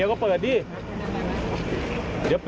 โอ้โฮ